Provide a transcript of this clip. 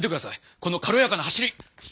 このかろやかな走り！